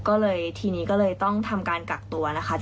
ก็เลยทีนี้ก็เลยต้องทำการกักตัวนะคะ